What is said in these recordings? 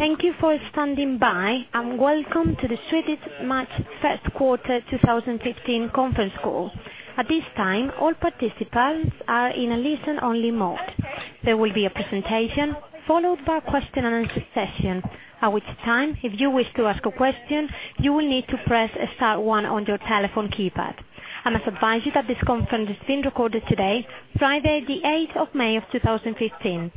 Thank you for standing by, welcome to the Swedish Match First Quarter 2015 conference call. At this time, all participants are in a listen-only mode. There will be a presentation followed by a question and answer session. At which time, if you wish to ask a question, you will need to press star one on your telephone keypad. I must advise you that this conference is being recorded today, Friday the 8th of May of 2015.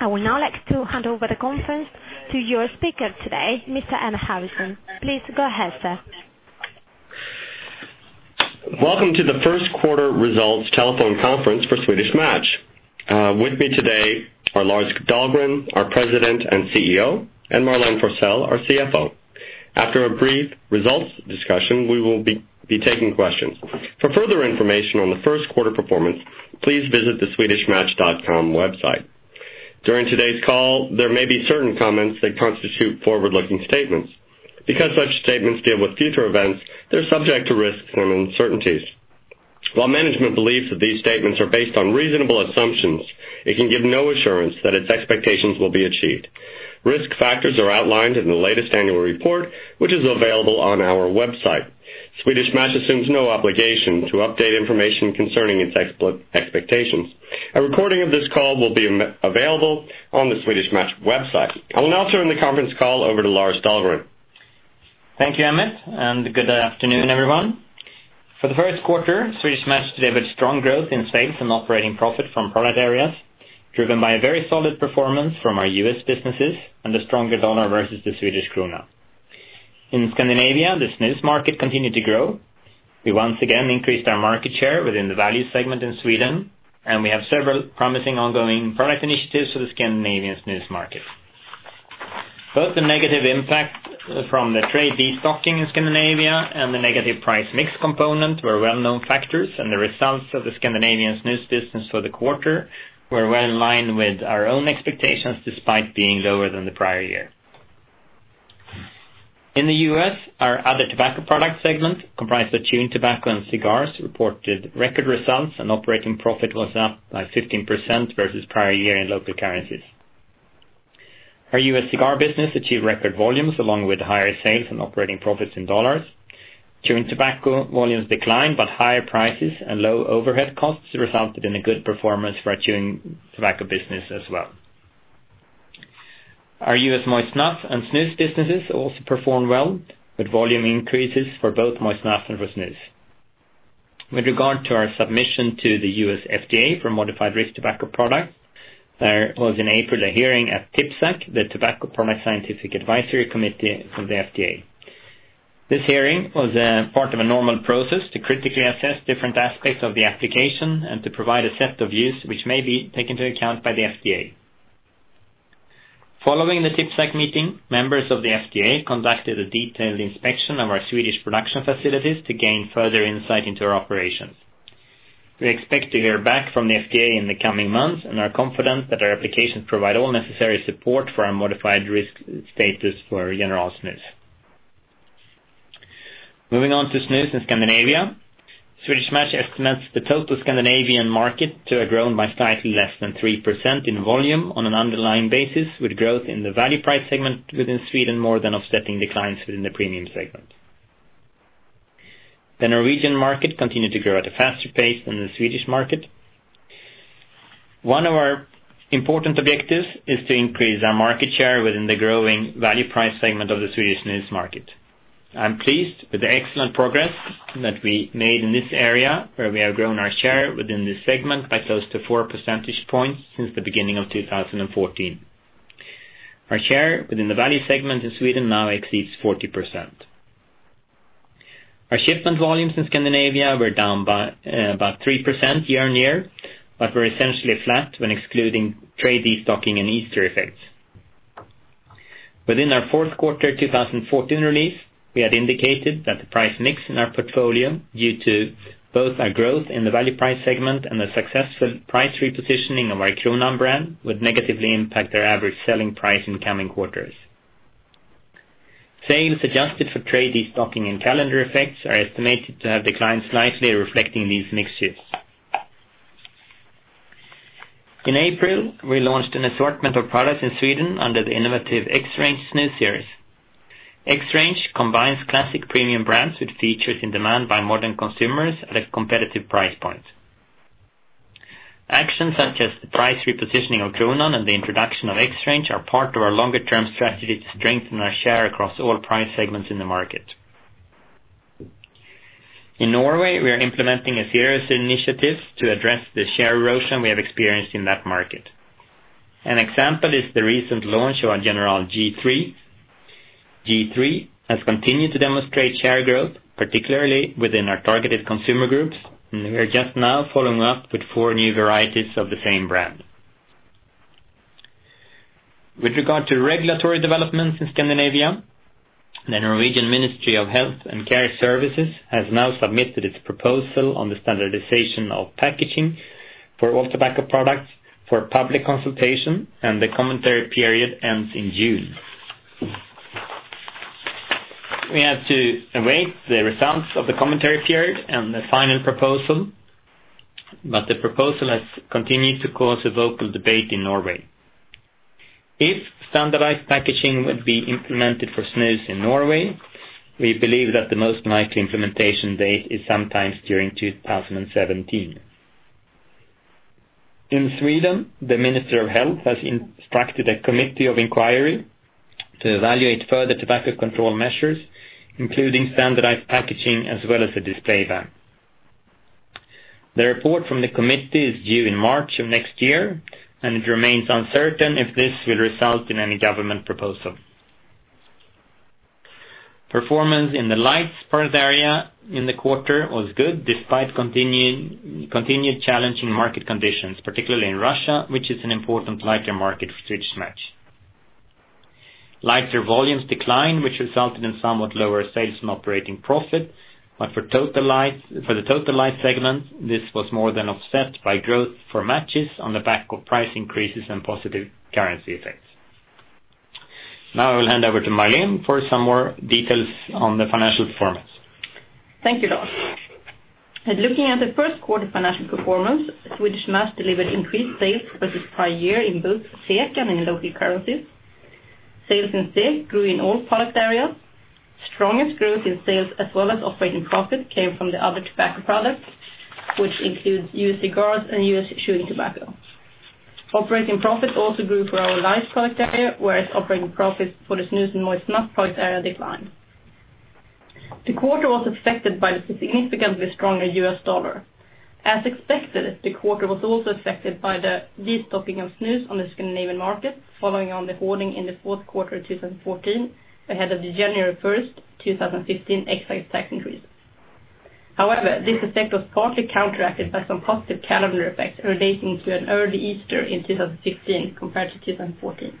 I would now like to hand over the conference to your speaker today, Mr. Emmett Harrison. Please go ahead, sir. Welcome to the first quarter results telephone conference for Swedish Match. With me today are Lars Dahlgren, our President and CEO, Marlene Forssell, our CFO. After a brief results discussion, we will be taking questions. For further information on the first quarter performance, please visit the swedishmatch.com website. During today's call, there may be certain comments that constitute forward-looking statements. Such statements deal with future events, they're subject to risks and uncertainties. While management believes that these statements are based on reasonable assumptions, it can give no assurance that its expectations will be achieved. Risk factors are outlined in the latest annual report, which is available on our website. Swedish Match assumes no obligation to update information concerning its expectations. A recording of this call will be available on the Swedish Match website. I will now turn the conference call over to Lars Dahlgren. Thank you, Emmett, good afternoon, everyone. For the first quarter, Swedish Match delivered strong growth in sales and operating profit from product areas, driven by a very solid performance from our U.S. businesses and the stronger dollar versus the Swedish krona. In Scandinavia, the snus market continued to grow. We once again increased our market share within the value segment in Sweden, we have several promising ongoing product initiatives for the Scandinavian snus market. Both the negative impact from the trade destocking in Scandinavia and the negative price mix component were well-known factors, the results of the Scandinavian snus business for the quarter were well in line with our own expectations, despite being lower than the prior year. In the U.S., our other tobacco product segment, comprised of chewing tobacco and cigars, reported record results, operating profit was up by 15% versus the prior year in local currencies. Our U.S. cigar business achieved record volumes along with higher sales and operating profits in dollars. Chewing tobacco volumes declined, higher prices and low overhead costs resulted in a good performance for the chewing tobacco business as well. Our U.S. moist snuff and snus businesses also performed well, with volume increases for both moist snuff and for snus. With regard to our submission to the U.S. FDA for Modified Risk Tobacco Products, there was in April a hearing at TPSAC, the Tobacco Products Scientific Advisory Committee from the FDA. This hearing was a part of a normal process to critically assess different aspects of the application and to provide a set of views which may be taken into account by the FDA. Following the TPSAC meeting, members of the FDA conducted a detailed inspection of our Swedish production facilities to gain further insight into our operations. We expect to hear back from the FDA in the coming months and are confident that our applications provide all necessary support for our modified risk status for General Snus. Moving on to snus in Scandinavia. Swedish Match estimates the total Scandinavian market to have grown by slightly less than 3% in volume on an underlying basis, with growth in the value price segment within Sweden more than offsetting declines within the premium segment. The Norwegian market continued to grow at a faster pace than the Swedish market. One of our important objectives is to increase our market share within the growing value price segment of the Swedish snus market. I'm pleased with the excellent progress that we made in this area, where we have grown our share within this segment by close to four percentage points since the beginning of 2014. Our share within the value segment in Sweden now exceeds 40%. Our shipment volumes in Scandinavia were down by about 3% year-on-year, but were essentially flat when excluding trade destocking and Easter effects. Within our fourth quarter 2014 release, we had indicated that the price mix in our portfolio, due to both our growth in the value price segment and the successful price repositioning of our Kronan brand, would negatively impact our average selling price in coming quarters. Sales adjusted for trade destocking and calendar effects are estimated to have declined slightly, reflecting these mix shifts. In April, we launched an assortment of products in Sweden under the innovative XRANGE snus series. XRANGE combines classic premium brands with features in demand by modern consumers at a competitive price point. Actions such as the price repositioning of Kronan and the introduction of XRANGE are part of our longer-term strategy to strengthen our share across all price segments in the market. In Norway, we are implementing a series of initiatives to address the share erosion we have experienced in that market. An example is the recent launch of our General G3. G3 has continued to demonstrate share growth, particularly within our targeted consumer groups, and we are just now following up with four new varieties of the same brand. With regard to regulatory developments in Scandinavia, the Norwegian Ministry of Health and Care Services has now submitted its proposal on the standardization of packaging for all tobacco products for public consultation, and the commentary period ends in June. We have to await the results of the commentary period and the final proposal. The proposal has continued to cause a vocal debate in Norway. If standardized packaging would be implemented for snus in Norway, we believe that the most likely implementation date is sometime during 2017. In Sweden, the Minister of Health has instructed a committee of inquiry to evaluate further tobacco control measures, including standardized packaging as well as a display ban. The report from the committee is due in March of next year. It remains uncertain if this will result in any government proposal. Performance in the lights product area in the quarter was good despite continued challenging market conditions, particularly in Russia, which is an important lighter market for Swedish Match. Lighter volumes declined, which resulted in somewhat lower sales and operating profit. For the total light segment, this was more than offset by growth for matches on the back of price increases and positive currency effects. I will hand over to Marlene for some more details on the financial performance. Thank you, Lars. Looking at the first quarter financial performance, Swedish Match delivered increased sales versus prior year in both SEK and in local currencies. Sales in SEK grew in all product areas. Strongest growth in sales as well as operating profit came from the other tobacco products, which includes US cigars and US chewing tobacco. Operating profit also grew for our lights product area, whereas operating profit for the snus and moist snuff product area declined. The quarter was affected by the significantly stronger US dollar. As expected, the quarter was also affected by the de-stocking of snus on the Scandinavian market, following on the hoarding in the fourth quarter of 2014, ahead of the January 1st, 2015 excise tax increase. This effect was partly counteracted by some positive calendar effects relating to an early Easter in 2015 compared to 2014.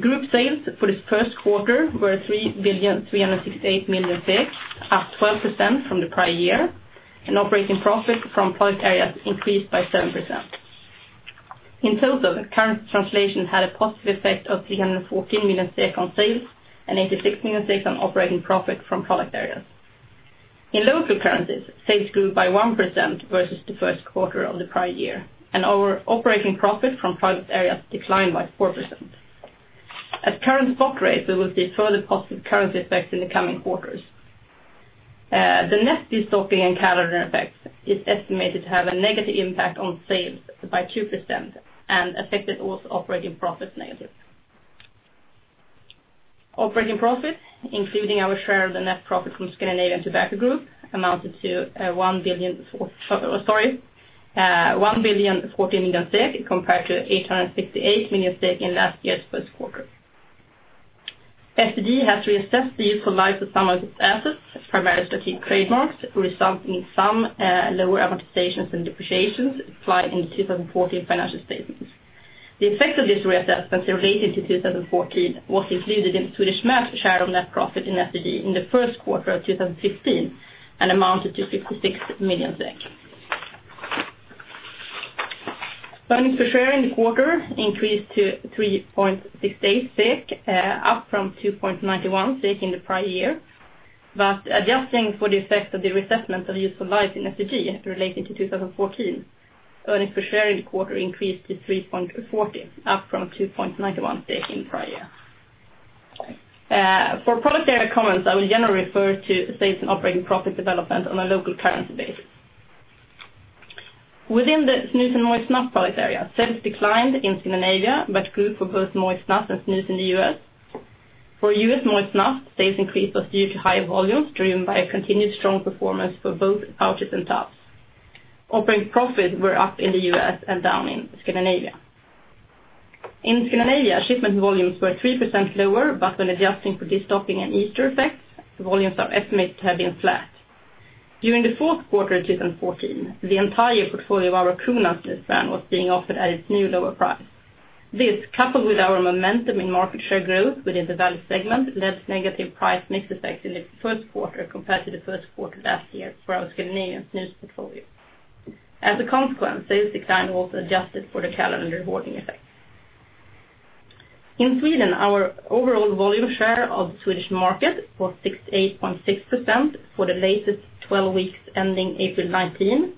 Group sales for this first quarter were 3,368,000,000, up 12% from the prior year, and operating profit from product areas increased by 7%. In total, the currency translation had a positive effect of 314,000,000 on sales and 86,000,000 on operating profit from product areas. In local currencies, sales grew by 1% versus the first quarter of the prior year, and our operating profit from product areas declined by 4%. At current spot rates, we will see further positive currency effects in the coming quarters. The net de-stocking and calendar effects is estimated to have a negative impact on sales by 2% and affected also operating profit negatively. Operating profit, including our share of the net profit from Scandinavian Tobacco Group, amounted to 1,014,000,000 compared to 868,000,000 in last year's first quarter. STG has reassessed the useful life of some of its assets, primarily strategic trademarks, resulting in some lower amortizations and depreciations applied in the 2014 financial statements. The effect of this reassessment related to 2014 was included in Swedish Match share of net profit in STG in the first quarter of 2015 and amounted to 56,000,000. Earnings per share in the quarter increased to 3.68, up from 2.91 in the prior year. Adjusting for the effect of the reassessment of useful life in STG relating to 2014, earnings per share in the quarter increased to 3.40, up from 2.91 in prior year. For product area comments, I will generally refer to sales and operating profit development on a local currency basis. Within the snus and moist snuff product area, sales declined in Scandinavia but grew for both moist snuff and snus in the U.S. For U.S. moist snuff, sales increase was due to higher volumes driven by a continued strong performance for both pouches and tubs. Operating profits were up in the U.S. and down in Scandinavia. In Scandinavia, shipment volumes were 3% lower, but when adjusting for de-stocking and Easter effects, volumes are estimated to have been flat. During the fourth quarter of 2014, the entire portfolio of our Kronan snus brand was being offered at its new lower price. This, coupled with our momentum in market share growth within the value segment, led to negative price mix effect in the first quarter compared to the first quarter last year for our Scandinavian snus portfolio. Sales declined also adjusted for the calendar and hoarding effects. In Sweden, our overall volume share of the Swedish market was 68.6% for the latest 12 weeks ending April 19,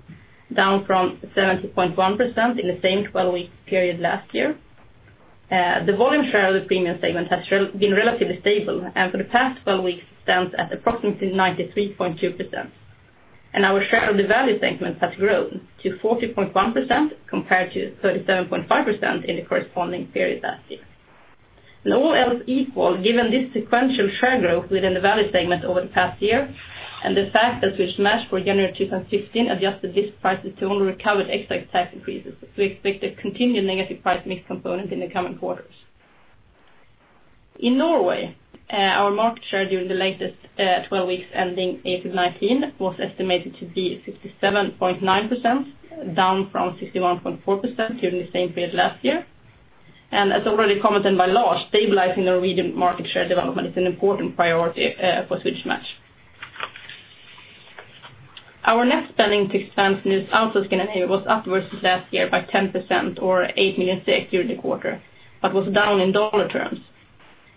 down from 70.1% in the same 12-week period last year. The volume share of the premium segment has been relatively stable, and for the past 12 weeks stands at approximately 93.2%. Our share of the value segment has grown to 40.1% compared to 37.5% in the corresponding period last year. All else equal, given this sequential share growth within the value segment over the past year, and the fact that Swedish Match for January 2015 adjusted list prices to only recover the excise tax increases, we expect a continued negative price mix component in the coming quarters. In Norway, our market share during the latest 12 weeks ending April 19 was estimated to be 67.9%, down from 61.4% during the same period last year. As already commented by Lars, stabilizing Norwegian market share development is an important priority for Swedish Match. Our net spending to expand snus out of Scandinavia was upwards of last year by 10% or 8 million during the quarter, but was down in USD terms.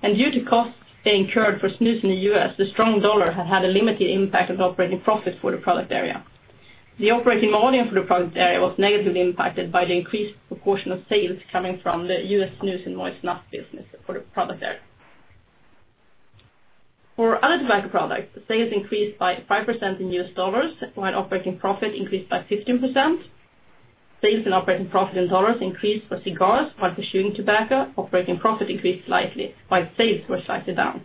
Due to costs being incurred for snus in the U.S., the strong dollar had a limited impact on operating profit for the product area. The operating volume for the product area was negatively impacted by the increased proportion of sales coming from the U.S. snus and moist snuff business for the product area. For other tobacco products, sales increased by 5% in USD, while operating profit increased by 15%. Sales and operating profit in USD increased for cigars while for chewing tobacco, operating profit increased slightly, while sales were slightly down.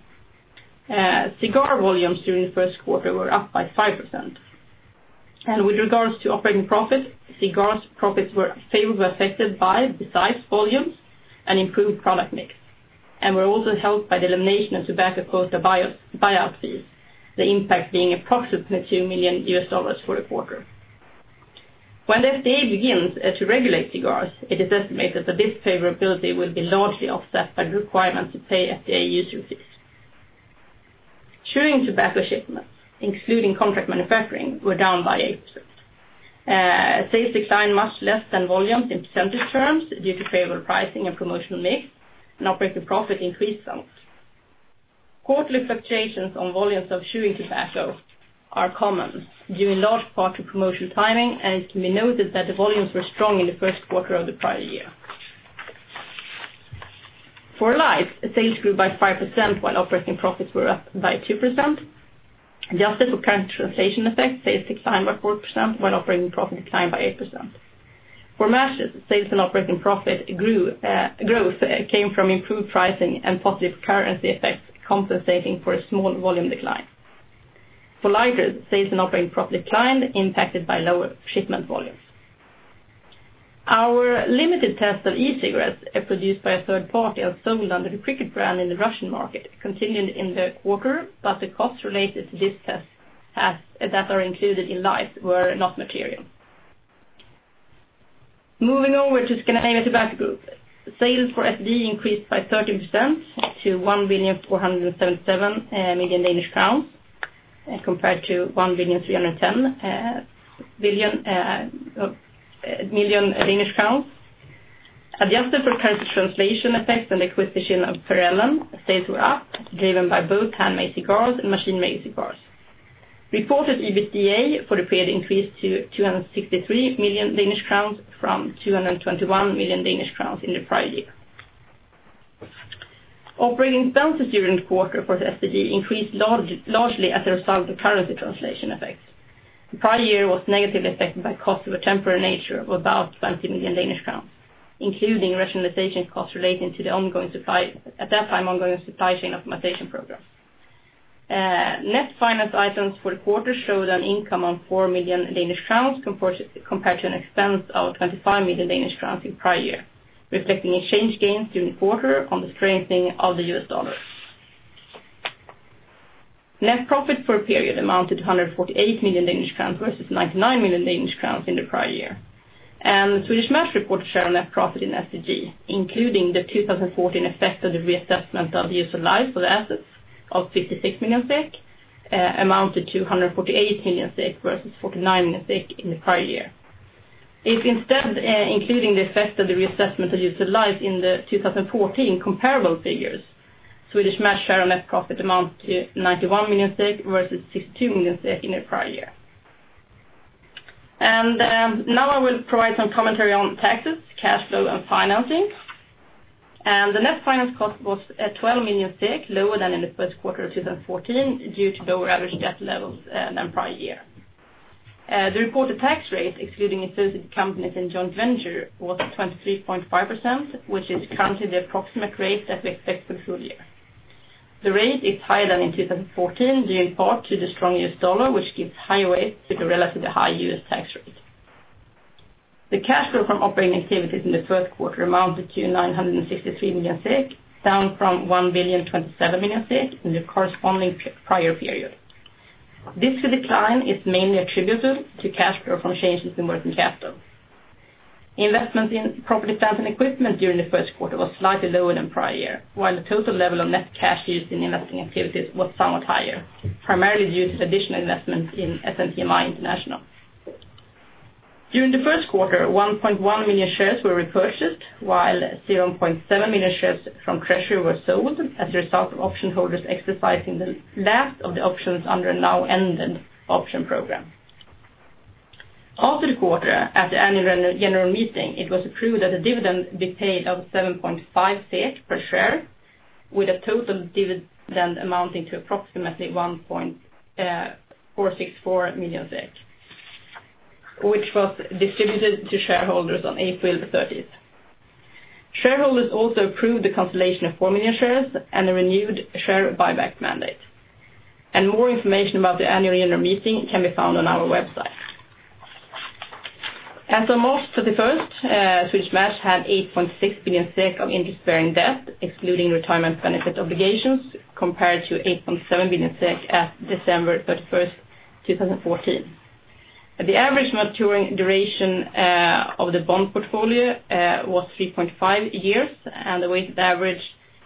Cigar volumes during the first quarter were up by 5%. With regards to operating profit, cigars profits were favorably affected by, besides volumes, an improved product mix, and were also helped by the elimination of tobacco quota buyout fees, the impact being approximately $2 million for the quarter. When the FDA begins to regulate cigars, it is estimated that this favorability will be largely offset by the requirement to pay FDA user fees. Chewing tobacco shipments, including contract manufacturing, were down by 8%. Sales declined much less than volumes in percentage terms due to favorable pricing and promotional mix and operating profit increased some. Quarterly fluctuations on volumes of chewing tobacco are common, due in large part to promotional timing, and it can be noted that the volumes were strong in the first quarter of the prior year. For Cricket, sales grew by 5% while operating profits were up by 2%. Adjusted for currency translation effect, sales declined by 4% while operating profit declined by 8%. For matches, sales and operating profit growth came from improved pricing and positive currency effects compensating for a small volume decline. For lighters, sales and operating profit declined, impacted by lower shipment volumes. Our limited test of e-cigarettes are produced by a third party and sold under the Cricket brand in the Russian market, continued in the quarter, but the costs related to this test that are included in lighters were not material. Moving over to Scandinavian Tobacco Group. Sales for STG increased by 13% to 1,477 million Danish crowns compared to 1,310 million Danish crowns. Adjusted for currency translation effects and acquisition of Flandria, sales were up, driven by both hand-made cigars and machine-made cigars. Reported EBITDA for the period increased to 263 million Danish crowns from 221 million Danish crowns in the prior year. Operating expenses during the quarter for the STG increased largely as a result of currency translation effects. The prior year was negatively affected by costs of a temporary nature of about 20 million Danish crowns, including rationalization costs relating to the, at that time, ongoing supply chain optimization program. Net finance items for the quarter showed an income of 4 million Danish crowns compared to an expense of 25 million Danish crowns in prior year, reflecting exchange gains during the quarter on the strengthening of the U.S. dollar. Net profit for a period amounted to 148 million Danish crowns versus 99 million Danish crowns in the prior year. The Swedish Match report share net profit in STG, including the 2014 effect of the reassessment of the useful life of the assets of 56 million SEK amounted to 148 million SEK versus 49 million SEK in the prior year. If instead, including the effect of the reassessment of useful life in the 2014 comparable figures, Swedish Match share of net profit amount to 91 million versus 62 million in the prior year. Now I will provide some commentary on taxes, cash flow and financing. The net finance cost was at 12 million, lower than in the first quarter of 2014 due to lower average debt levels than prior year. The reported tax rate, excluding associated companies and joint venture, was 23.5%, which is currently the approximate rate that we expect for the full year. The rate is higher than in 2014, due in part to the strong U.S. dollar, which gives higher weight to the relatively high U.S. tax rate. The cash flow from operating activities in the first quarter amounted to 963 million, down from 1,027 million in the corresponding prior period. This decline is mainly attributable to cash flow from changes in working capital. Investment in property, plant, and equipment during the first quarter was slightly lower than prior year, while the total level of net cash used in investing activities was somewhat higher, primarily due to additional investments in SMPM International. During the first quarter, 1.1 million shares were repurchased, while 0.7 million shares from treasury were sold as a result of option holders exercising the last of the options under a now ended option program. After the quarter, at the annual general meeting, it was approved that a dividend be paid of 7.5 per share, with a total dividend amounting to approximately 1.464 million, which was distributed to shareholders on April the 30th. Shareholders also approved the consolidation of 4 million shares and a renewed share buyback mandate. More information about the annual general meeting can be found on our website. As of March 31st, Swedish Match had 8.6 billion of interest-bearing debt, excluding retirement benefit obligations, compared to 8.7 billion as December 31st, 2014. The average maturity duration of the bond portfolio was 3.5 years, and the weighted average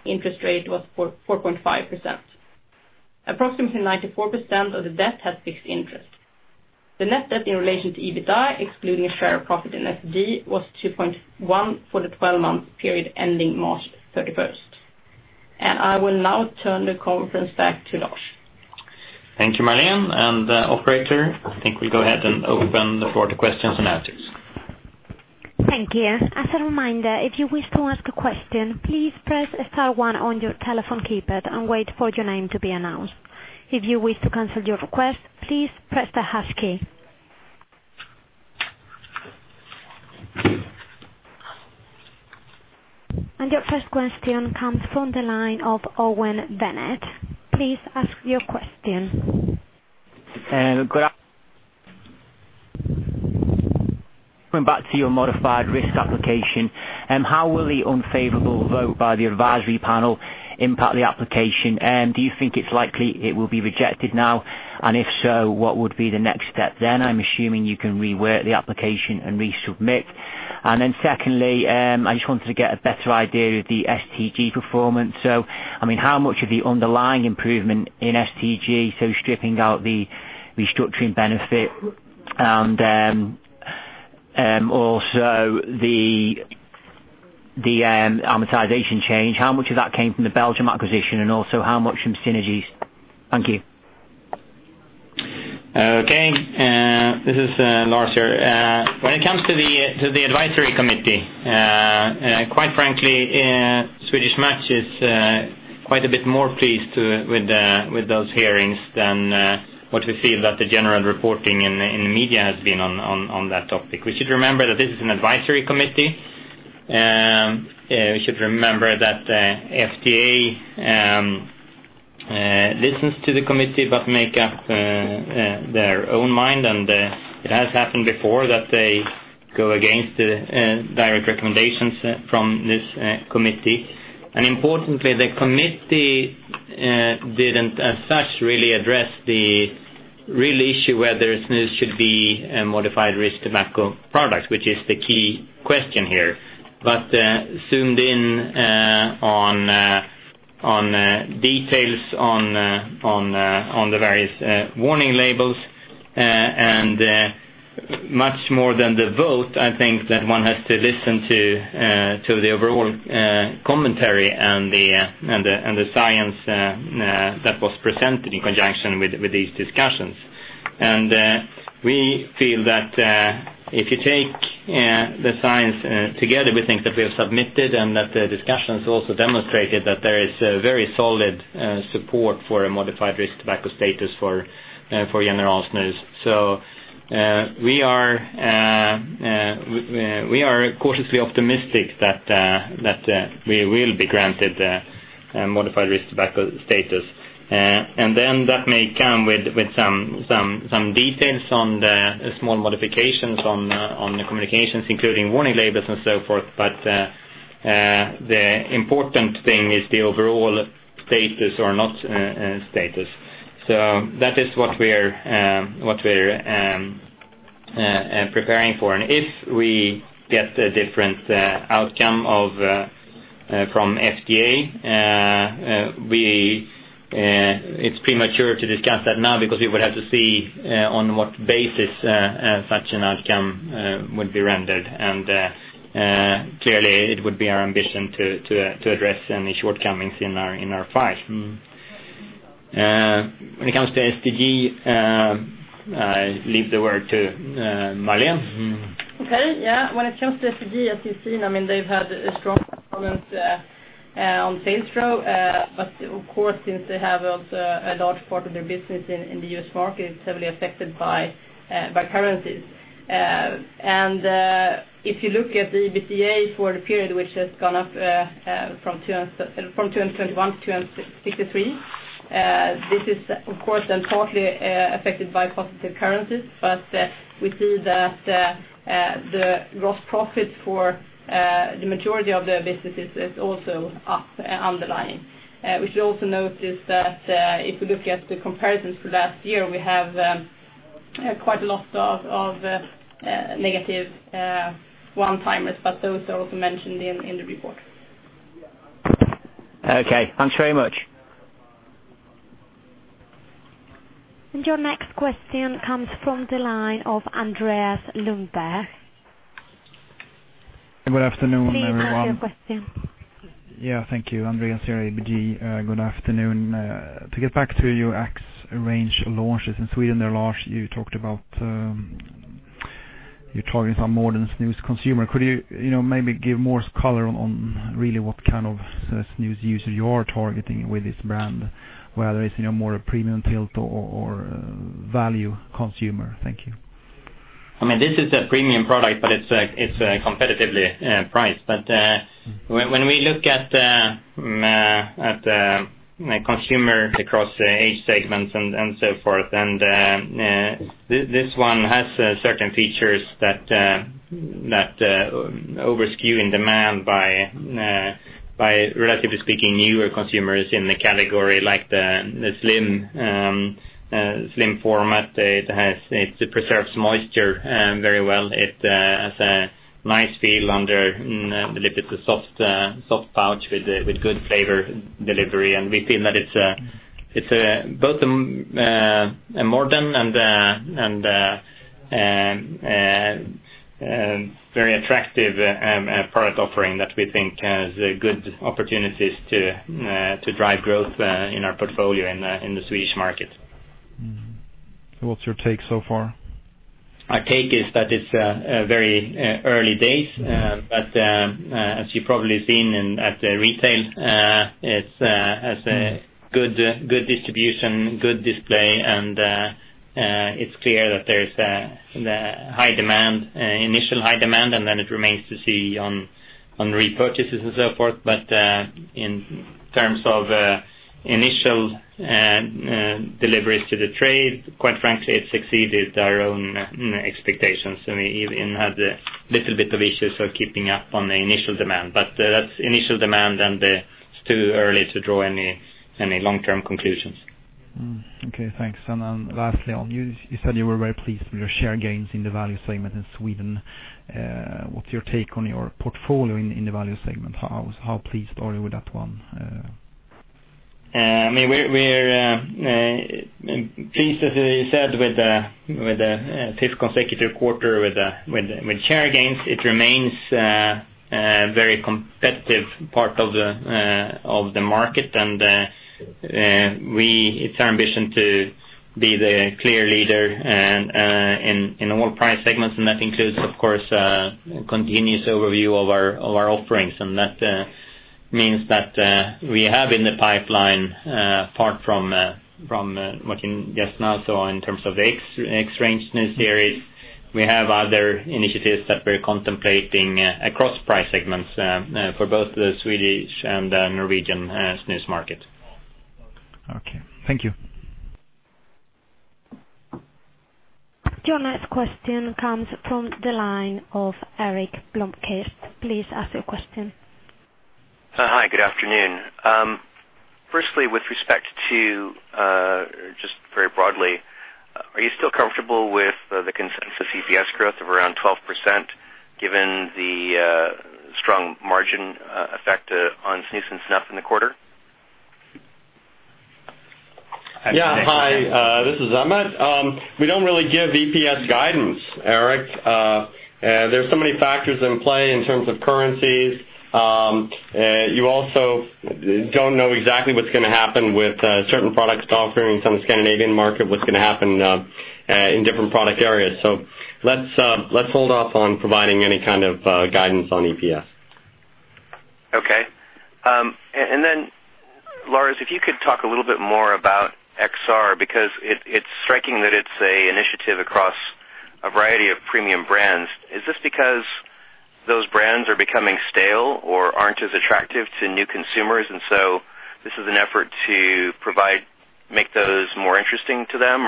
interest rate was 4.5%. Approximately 94% of the debt had fixed interest. The net debt in relation to EBITDA, excluding a share of profit in STG, was 2.1 for the 12-month period ending March 31st. I will now turn the conference back to Lars. Thank you, Marlene. Operator, I think we'll go ahead and open the floor to questions and answers. Thank you. As a reminder, if you wish to ask a question, please press star one on your telephone keypad and wait for your name to be announced. If you wish to cancel your request, please press the hash key. Your first question comes from the line of Owen Bennett. Please ask your question. Going back to your Modified Risk Tobacco Products application, how will the unfavorable vote by the advisory panel impact the application? Do you think it's likely it will be rejected now? If so, what would be the next step then? I'm assuming you can rework the application and resubmit. Secondly, I just wanted to get a better idea of the STG performance. How much of the underlying improvement in STG, stripping out the restructuring benefit and also the amortization change, how much of that came from the Belgium acquisition, and also how much from synergies? Thank you. This is Lars here. When it comes to the advisory committee, quite frankly, Swedish Match is quite a bit more pleased with those hearings than what we feel that the general reporting in the media has been on that topic. We should remember that this is an advisory committee. We should remember that FDA listens to the committee but make up their own mind, and it has happened before that they go against the direct recommendations from this committee. Importantly, the committee didn't as such really address the real issue whether snus should be a Modified Risk Tobacco Product, which is the key question here, but zoomed in on details on the various warning labels. Much more than the vote, I think that one has to listen to the overall commentary and the science that was presented in conjunction with these discussions. We feel that if you take the science together, we think that we have submitted and that the discussions also demonstrated that there is a very solid support for a Modified Risk Tobacco Product status for General Snus. We are cautiously optimistic that we will be granted a Modified Risk Tobacco Product status. That may come with some details on the small modifications on the communications, including warning labels and so forth. The important thing is the overall status or not status. That is what we're preparing for. If we get a different outcome from FDA, it's premature to discuss that now because we would have to see on what basis such an outcome would be rendered. Clearly it would be our ambition to address any shortcomings in our file. When it comes to STG, I leave the word to Marlene. When it comes to STG, as you've seen, they've had a strong component on sales growth. Of course, since they have also a large part of their business in the U.S. market, it's heavily affected by currencies. If you look at the EBITDA for the period, which has gone up from 221 to 263, this is of course importantly affected by positive currencies. We see that the gross profit for the majority of their businesses is also up underlying. We should also notice that if we look at the comparisons to last year, we have quite a lot of negative one-timers, but those are also mentioned in the report. Okay. Thanks very much. Your next question comes from the line of Anders Larsson. Good afternoon, everyone. Please ask your question. Yeah, thank you. Anders here, ABG. Good afternoon. To get back to your XRANGE launches in Sweden there, Lars, you talked about you're targeting some more of the snus consumer. Could you maybe give more color on really what kind of snus user you are targeting with this brand, whether it's more a premium tilt or value consumer? Thank you. This is a premium product, but it's competitively priced. When we look at the consumer across age segments and so forth, and this one has certain features that over-skew in demand by, relatively speaking, newer consumers in the category, like the slim format. It preserves moisture very well. It has a nice feel under a little soft pouch with good flavor delivery. We feel that it's a It's both a modern and very attractive product offering that we think has good opportunities to drive growth in our portfolio in the Swedish market. What's your take so far? Our take is that it's very early days, but as you've probably seen at the retail, it has a good distribution, good display, and it's clear that there's initial high demand, and then it remains to be seen on repurchases and so forth. In terms of initial deliveries to the trade, quite frankly, it's exceeded our own expectations, and we even had a little bit of issues keeping up on the initial demand. That's initial demand, and it's too early to draw any long-term conclusions. Okay, thanks. Lastly on you said you were very pleased with your share gains in the value segment in Sweden. What's your take on your portfolio in the value segment? How pleased are you with that one? We're pleased, as I said, with the fifth consecutive quarter with share gains. It remains a very competitive part of the market. It's our ambition to be the clear leader in all price segments, and that includes, of course, a continuous overview of our offerings. That means that we have in the pipeline, apart from what you just asked now, so in terms of the XRANGE snus series, we have other initiatives that we're contemplating across price segments for both the Swedish and the Norwegian snus market. Okay. Thank you. Your next question comes from the line of Erik Bloomquist. Please ask your question. Hi, good afternoon. Firstly, with respect to, just very broadly, are you still comfortable with the consensus EPS growth of around 12%, given the strong margin effect on snus and snuff in the quarter? Yeah. Hi, this is Emmett. We don't really give EPS guidance, Erik. There's so many factors in play in terms of currencies. You also don't know exactly what's going to happen with certain products offering some Scandinavian market, what's going to happen in different product areas. Let's hold off on providing any kind of guidance on EPS. Okay. Lars, if you could talk a little bit more about XR, because it's striking that it's an initiative across a variety of premium brands. Is this because those brands are becoming stale or aren't as attractive to new consumers, this is an effort to make those more interesting to them?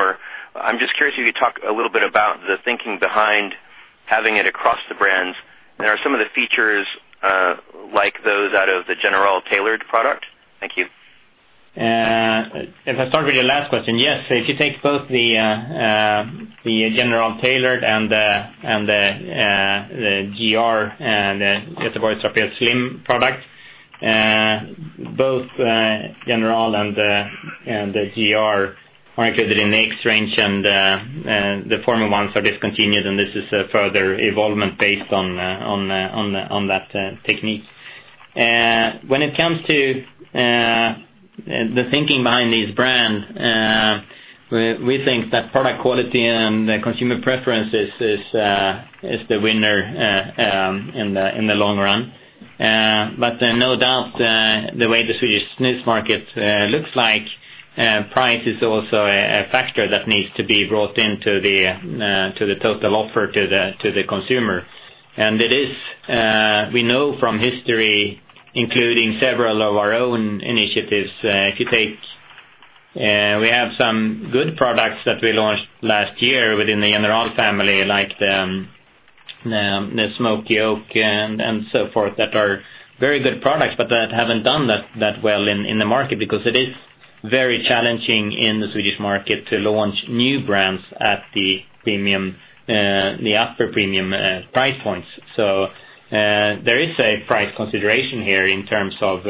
I'm just curious if you could talk a little bit about the thinking behind having it across the brands, and are some of the features like those out of the General Tailored product? Thank you. If I start with your last question, yes. If you take both the General Tailored and the GR and Göteborgs Rapé Slim product, both General and the GR are included in the XRANGE and the former ones are discontinued, this is a further evolvement based on that technique. When it comes to the thinking behind these brands, we think that product quality and consumer preference is the winner in the long run. No doubt, the way the Swedish snus market looks like, price is also a factor that needs to be brought into the total offer to the consumer. We know from history, including several of our own initiatives. We have some good products that we launched last year within the General family, like the Smoky Oak and so forth, that are very good products, but that haven't done that well in the market because it is very challenging in the Swedish market to launch new brands at the upper premium price points. There is a price consideration here in terms of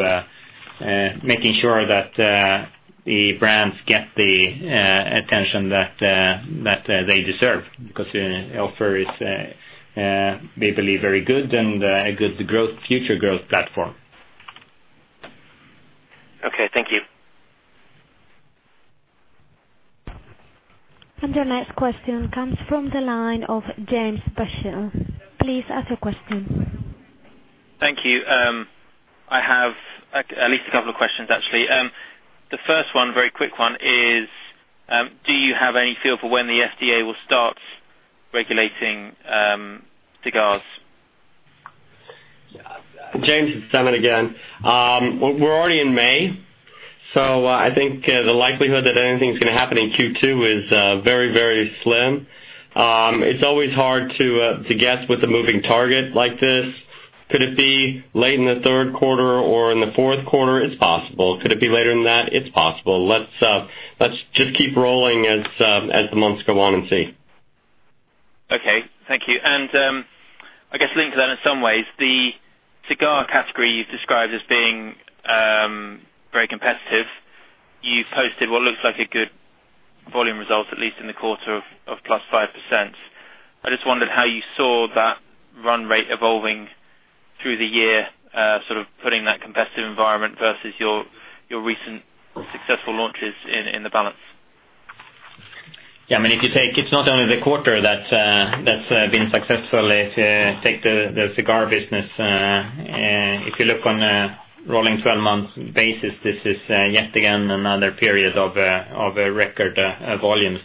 making sure that the brands get the attention that they deserve, because the offer is, we believe, very good and a good future growth platform. Okay, thank you. Your next question comes from the line of James Basile. Please ask your question. Thank you. I have at least a couple of questions, actually. The first one, very quick one, is do you have any feel for when the FDA will start regulating cigars? James, it's Emmett again. We're already in May, so I think the likelihood that anything's going to happen in Q2 is very slim. It's always hard to guess with a moving target like this. Could it be late in the third quarter or in the fourth quarter? It's possible. Could it be later than that? It's possible. Let's just keep rolling as the months go on and see. Okay. Thank you. I guess linked to that in some ways, the cigar category you've described as being very competitive. You've posted what looks like a good volume result, at least in the quarter of +5%. I just wondered how you saw that run rate evolving through the year, sort of putting that competitive environment versus your recent successful launches in the balance. Yeah. It's not only the quarter that's been successful. If you take the cigar business, if you look on a rolling 12 months basis, this is yet again another period of record volumes.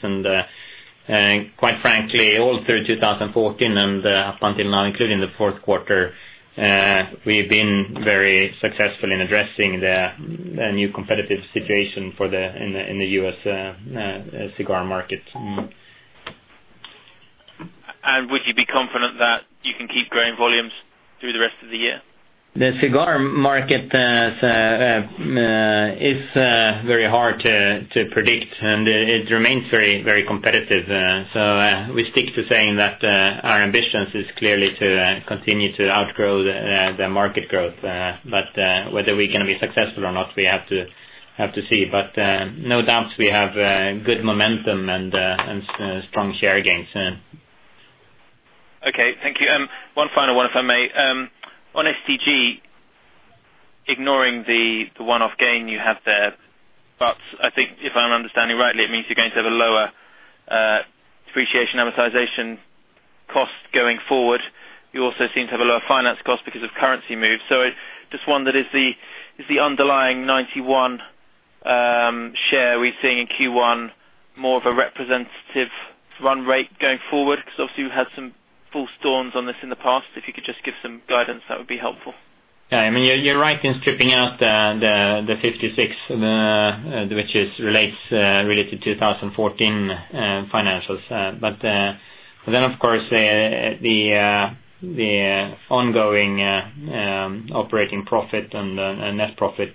Quite frankly, all through 2014 and up until now, including the fourth quarter, we've been very successful in addressing the new competitive situation in the U.S. cigar market. Would you be confident that you can keep growing volumes through the rest of the year? We stick to saying that our ambition is clearly to continue to outgrow the market growth. Whether we can be successful or not, we have to see. No doubt we have good momentum and strong share gains. Thank you. One final one, if I may. On STG, ignoring the one-off gain you have there, I think if I'm understanding rightly, it means you're going to have a lower depreciation amortization cost going forward. You also seem to have a lower finance cost because of currency moves. I just wonder is the underlying 91 share we're seeing in Q1 more of a representative run rate going forward? Obviously you had some full charges on this in the past. If you could just give some guidance, that would be helpful. Yeah. You're right in stripping out the 56, which is related to 2014 financials. Of course, the ongoing operating profit and net profit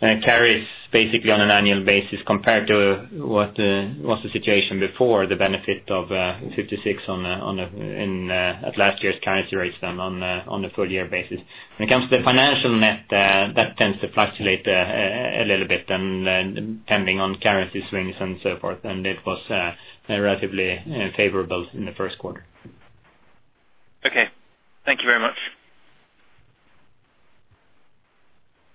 carries basically on an annual basis compared to what the situation before the benefit of 56 at last year's currency rates then on the full year basis. When it comes to the financial net, that tends to fluctuate a little bit, depending on currency swings and so forth. It was relatively favorable in the first quarter. Thank you very much.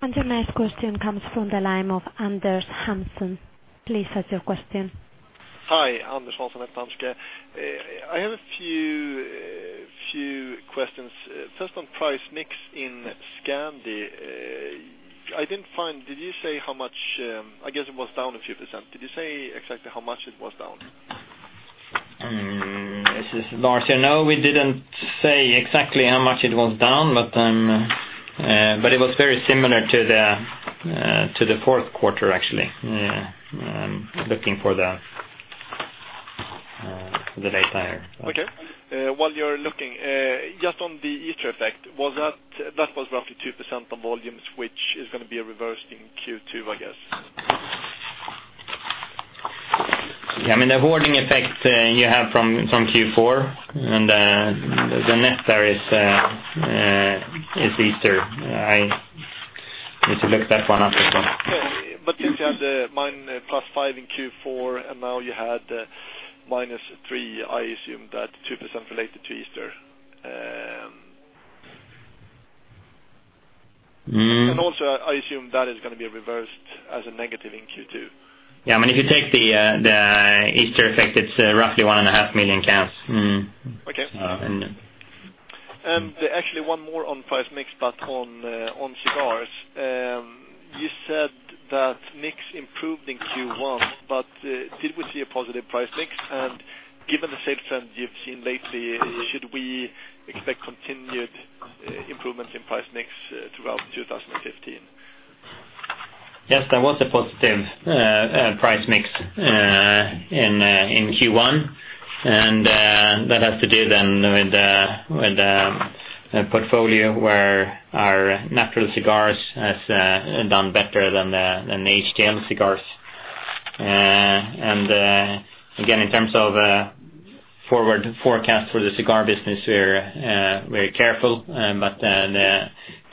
The next question comes from the line of Anders Hansson. Please ask your question. Hi, Anders Hansson at Danske. I have a few questions. First, on price mix in Scandi. I didn't find, did you say how much? I guess it was down a few %. Did you say exactly how much it was down? This is Lars here. No, we didn't say exactly how much it was down, but it was very similar to the fourth quarter, actually. I'm looking for the data here. Okay. While you're looking, just on the Easter effect, that was roughly 2% on volumes, which is going to be reversed in Q2, I guess. The hoarding effect you have from Q4, the net there is Easter. I need to look that one up as well. Since you have the +5 in Q4 and now you had -3, I assume that 2% related to Easter. Also, I assume that is going to be reversed as a negative in Q2. If you take the Easter effect, it's roughly one and a half million cans. Okay. Actually, one more on price mix, but on cigars. You said that mix improved in Q1, but did we see a positive price mix? Given the sales trend you've seen lately, should we expect continued improvements in price mix throughout 2015? Yes, there was a positive price mix in Q1, and that has to do then with the portfolio where our natural cigars has done better than the HTL cigars. Again, in terms of forward forecast for the cigar business, we're very careful, but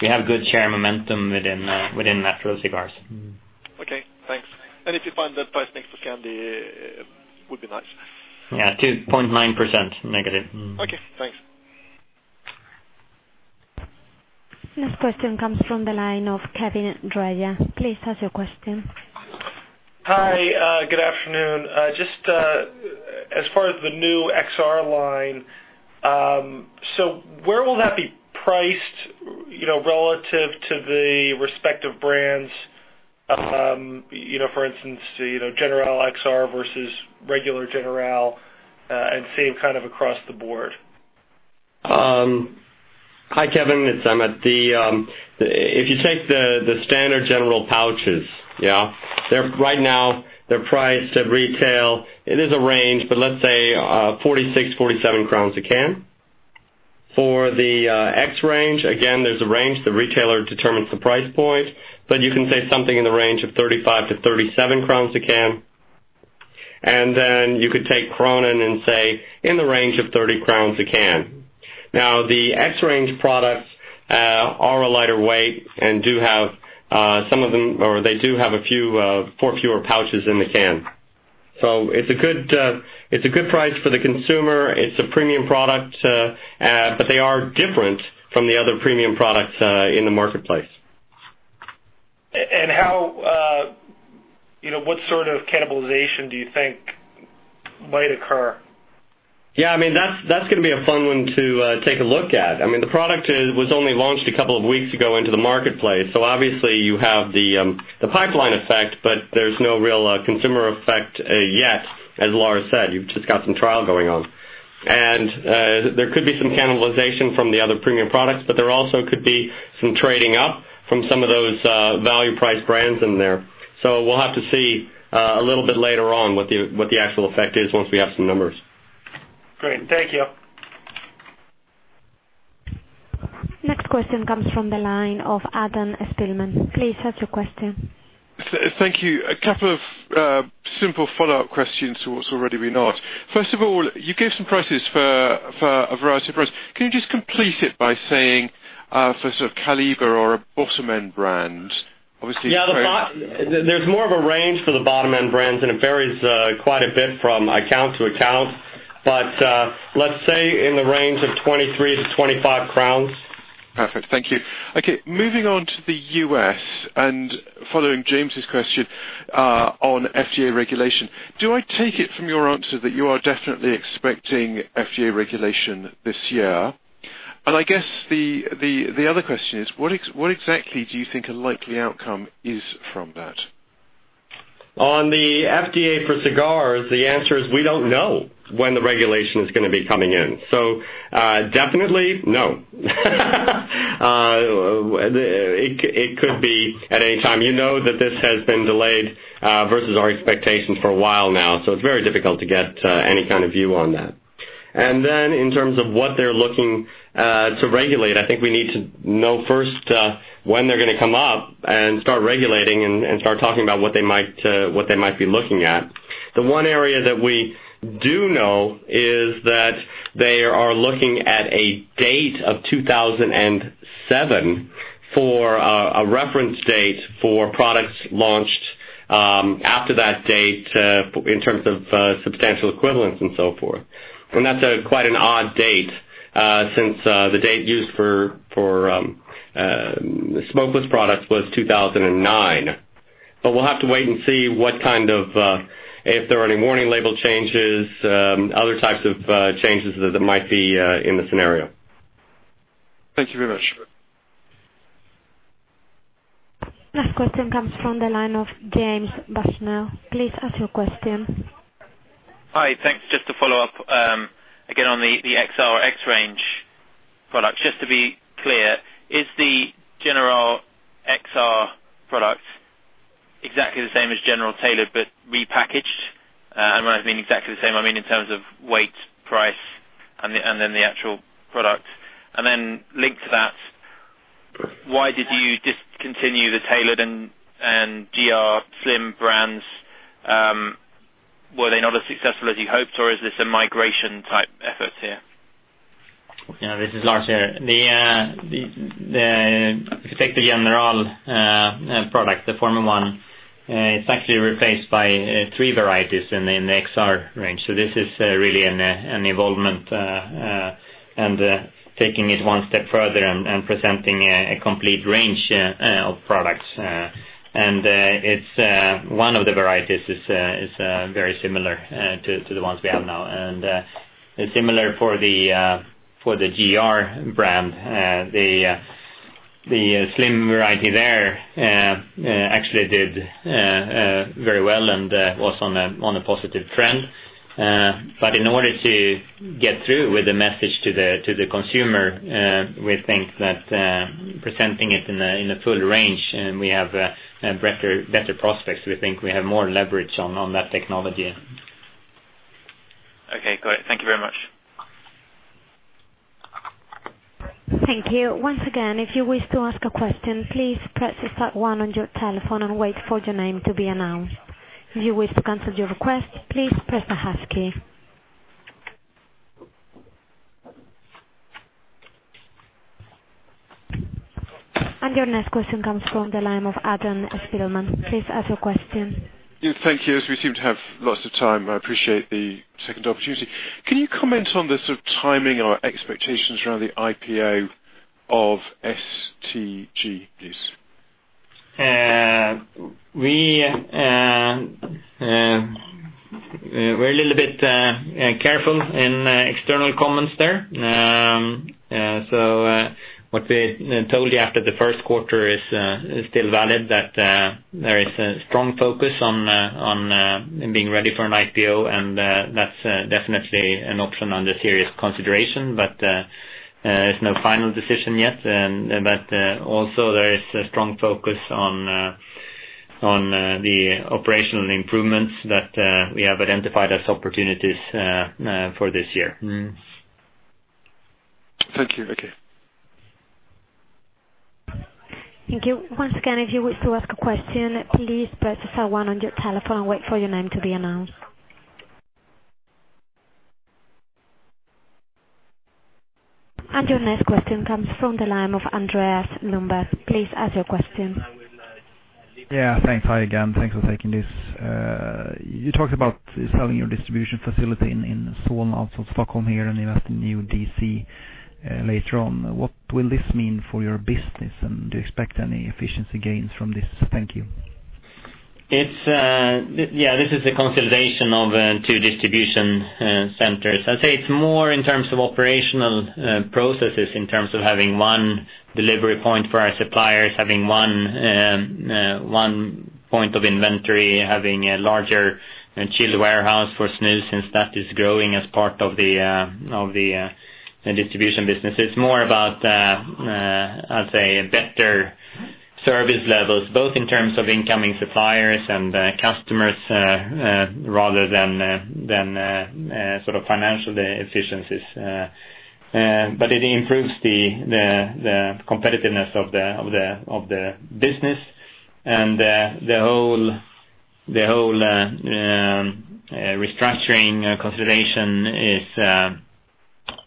we have good share momentum within natural cigars. Okay, thanks. If you find that price mix for Scandi, would be nice. Yeah, 2.9% negative. Okay, thanks. Next question comes from the line of Kevin Dreja. Please ask your question. Hi. Good afternoon. Just as far as the new XR line, where will that be priced relative to the respective brands? For instance, General XR versus regular General, same kind of across the board. Hi, Kevin, it's Emmett. If you take the standard General pouches, right now they're priced at retail. It is a range, but let's say 46, 47 crowns a can. For the XRANGE, again, there's a range. The retailer determines the price point, but you can say something in the range of 35-37 crowns a can. Then you could take Kronan and say in the range of 30 crowns a can. The XRANGE products are a lighter weight and some of them do have four fewer pouches in the can. It's a good price for the consumer. It's a premium product, but they are different from the other premium products in the marketplace. What sort of cannibalization do you think might occur? Yeah, that's going to be a fun one to take a look at. The product was only launched a couple of weeks ago into the marketplace. Obviously you have the pipeline effect, but there's no real consumer effect yet. As Lars said, you've just got some trial going on. There could be some cannibalization from the other premium products, but there also could be some trading up from some of those value-priced brands in there. We'll have to see a little bit later on what the actual effect is once we have some numbers. Great. Thank you. Next question comes from the line of Adam Spielman. Please ask your question. Thank you. A couple of simple follow-up questions to what's already been asked. First of all, you gave some prices for a variety of products. Can you just complete it by saying for sort of Kaliber or a bottom-end brand, obviously- Yeah. There's more of a range for the bottom-end brands, and it varies quite a bit from account to account. Let's say in the range of 23-25 crowns. Perfect. Thank you. Okay. Moving on to the U.S., following James's question on FDA regulation, do I take it from your answer that you are definitely expecting FDA regulation this year? I guess the other question is, what exactly do you think a likely outcome is from that? On the FDA for cigars, the answer is we don't know when the regulation is going to be coming in. Definitely no. It could be at any time. You know that this has been delayed versus our expectations for a while now, it's very difficult to get any kind of view on that. In terms of what they're looking to regulate, I think we need to know first when they're going to come up and start regulating and start talking about what they might be looking at. The one area that we do know is that they are looking at a date of 2007 for a reference date for products launched after that date in terms of substantial equivalence and so forth. That's quite an odd date, since the date used for smokeless products was 2009. We'll have to wait and see if there are any warning label changes, other types of changes that might be in the scenario. Thank you very much. Next question comes from the line of James Basile. Please ask your question. Hi. Thanks. Just to follow up again on the XR XRANGE products. Just to be clear, is the General XR product exactly the same as General Tailored, but repackaged? When I mean exactly the same, I mean in terms of weight, price, and then the actual product. Then linked to that, why did you discontinue the Tailored and GR Slim brands? Were they not as successful as you hoped, or is this a migration type effort here? Yeah. This is Lars here. If you take the General product, the former one, it's actually replaced by three varieties in the XRANGE. This is really an evolvement, and taking it one step further and presenting a complete range of products. One of the varieties is very similar to the ones we have now. Similar for the GR brand. The slim variety there actually did very well and was on a positive trend. In order to get through with the message to the consumer, we think that presenting it in a full range, we have better prospects. We think we have more leverage on that technology. Okay, got it. Thank you very much. Thank you. Once again, if you wish to ask a question, please press the star one on your telephone and wait for your name to be announced. If you wish to cancel your request, please press the hash key. Your next question comes from the line of Adam Spielman. Please ask your question. Yeah. Thank you. As we seem to have lots of time, I appreciate the second opportunity. Can you comment on the sort of timing or expectations around the IPO of STG, please? We're a little bit careful in external comments there. What we told you after the first quarter is still valid, that there is a strong focus on being ready for an IPO, and that's definitely an option under serious consideration. There's no final decision yet. Also there is a strong focus on On the operational improvements that we have identified as opportunities for this year. Thank you. Okay. Thank you. Once again, if you wish to ask a question, please press star one on your telephone and wait for your name to be announced. Your next question comes from the line of Anders Larsson. Please ask your question. Yeah. Thanks. Hi again. Thanks for taking this. You talked about selling your distribution facility in Solna, also Stockholm here, and invest in new DC later on. What will this mean for your business, and do you expect any efficiency gains from this? Thank you. This is a consolidation of two distribution centers. I'd say it's more in terms of operational processes in terms of having one delivery point for our suppliers, having one point of inventory, having a larger chilled warehouse for snus since that is growing as part of the distribution business. It's more about, I'd say, better service levels, both in terms of incoming suppliers and customers rather than financial efficiencies. It improves the competitiveness of the business, and the whole restructuring consolidation is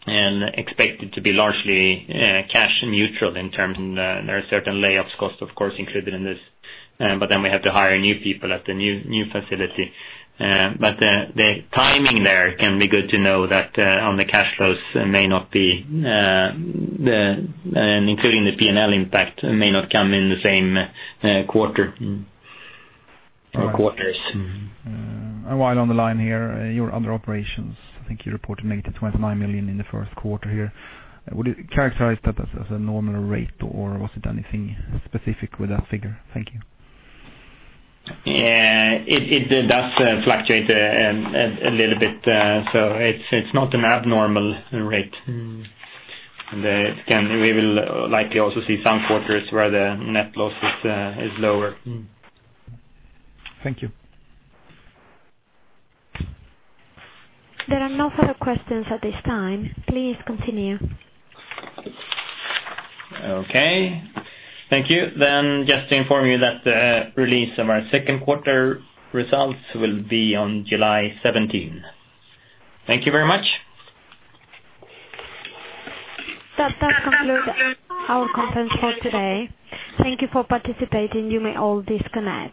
expected to be largely cash neutral in terms, there are certain layoffs cost, of course, included in this. We have to hire new people at the new facility. The timing there can be good to know that on the cash flows, including the P&L impact, may not come in the same quarter or quarters. While on the line here, your other operations, I think you reported negative 29 million in the first quarter here. Would you characterize that as a normal rate or was it anything specific with that figure? Thank you. It does fluctuate a little bit. It's not an abnormal rate. We will likely also see some quarters where the net loss is lower. Thank you. There are no further questions at this time. Please continue. Okay. Thank you. Just to inform you that the release of our second quarter results will be on July seventeenth. Thank you very much. That concludes our conference for today. Thank you for participating. You may all disconnect.